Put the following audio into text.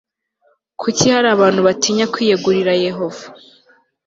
Kuki hari abantu batinya kwiyegurira Yehova